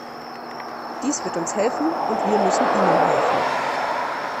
Dies wird uns helfen, und wir müssen Ihnen helfen.